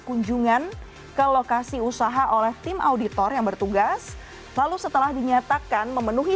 kunjungan ke lokasi usaha oleh tim auditor yang bertugas lalu setelah dinyatakan memenuhi